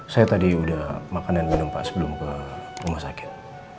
saya tadi udah makan dan minum pak sebelum ke rumah sakit